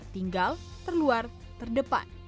tinggal terluar terdepan